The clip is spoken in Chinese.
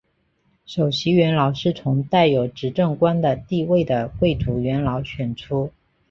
首席元老是从带有执政官的地位的贵族元老选出。